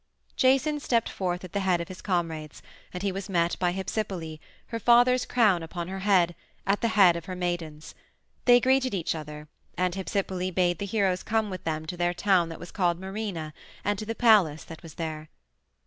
Jason stepped forth at the head of his comrades, and he was met by Hypsipyle, her father's crown upon her head, at the head of her maidens. They greeted each other, and Hypsipyle bade the heroes come with them to their town that was called Myrine and to the palace that was there.